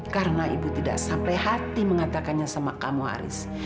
karena ibu tidak sampai hati mengatakannya sama kamu haris